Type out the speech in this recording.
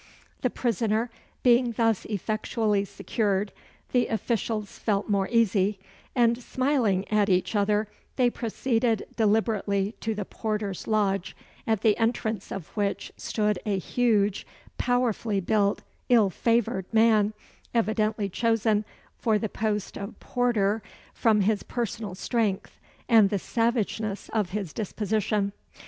The prisoner being thus effectually secured, the officials felt more easy; and smiling at each other, they proceeded deliberately to the porter's lodge, at the entrance of which stood a huge, powerfully built, ill favoured man, evidently chosen for the post of porter from his personal strength and the savageness of his disposition.